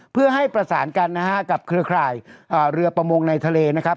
เพื่อให้ประสานกันนะฮะกับเครือข่ายเรือประมงในทะเลนะครับ